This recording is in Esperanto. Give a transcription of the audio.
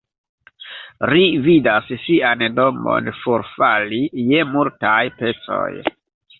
Ri vidas sian domon forfali je multaj pecoj.